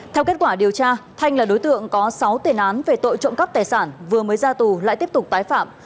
theo kết quả điều tra thanh là đối tượng có sáu tiền án về tội trộm cắp tài sản vừa mới ra tù lại tiếp tục tái phạm